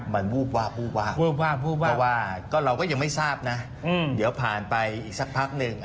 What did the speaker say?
มันวูบวาบวูบวาบเพราะว่าเราก็ยังไม่ทราบนะเดี๋ยวผ่านไปอีกสักพักหนึ่ง